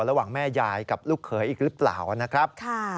ระหว่างแม่ยายกับลูกเขยอีกหรือเปล่านะครับ